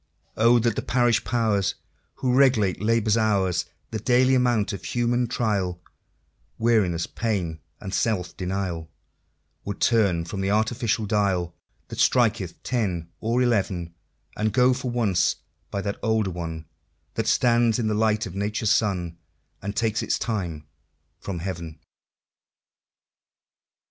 Oh that the Parish Powers, Who regulate Labor's hours, The daily amount of human trial, Weariness, pain, and self denial, Would turn from the artificial dial That striketh ten or eleven, And go, for once, by that older one That stands in the light of Nature's sun, And takes its time from Heaven!